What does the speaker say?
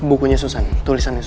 aku pernah bisa nemu